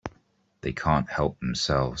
They can't help themselves.